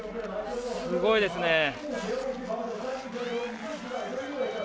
すごいですね。